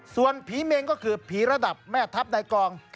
ส่วนผีเมงก็คือผีระดับแม่ทัพในกอง